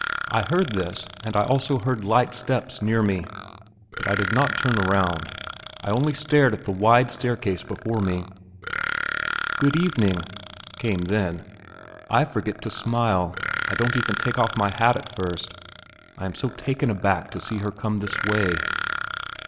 I heard this, and I also heard light steps near me, but I did not turn round, I only stared up at the wide staircase before me. "Good evening," came then. I forget to smile; I don't even take off my hat at first, I am so taken aback to see her come this way.